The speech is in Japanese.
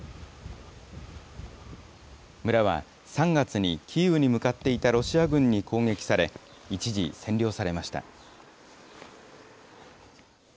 村は、３月にキーウに向かっていたロシア軍に攻撃され、一時占領されました。